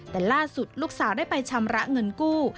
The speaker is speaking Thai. แต่ล่าสุดลูกสาวได้ไปชำระเงินกู้